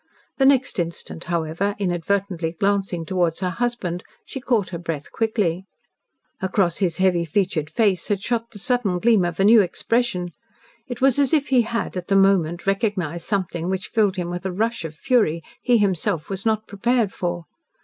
The next instant, however, inadvertently glancing towards her husband, she caught her breath quickly. Across his heavy featured face had shot the sudden gleam of a new expression. It was as if he had at the moment recognised something which filled him with a rush of fury he himself was not prepared for.